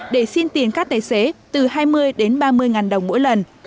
để xin tiền các tài xế từ hai mươi đến ba mươi ngàn đồng mỗi lần